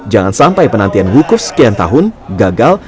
jangan sampai penantian wukuf sekian tahun gagal